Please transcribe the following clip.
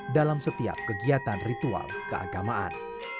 dalam setiap kegiatan ritual keagamaan